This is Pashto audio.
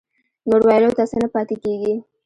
نور ويلو ته څه نه پاتې کېږي.